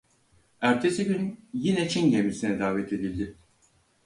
Ertesi gün yine Çin gemisine davet edildi.